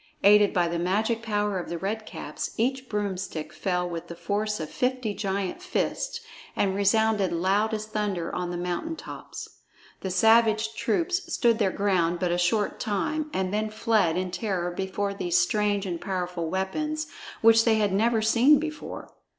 Aided by the magic power of the Red Caps, each broomstick fell with the force of fifty giant fists and resounded loud as thunder on the mountain tops. The savage troops stood their ground but a short time and then fled in terror before these strange and powerful weapons which they had never seen before.